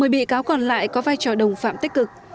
một mươi bị cáo còn lại có vai trò đồng phạm tích cực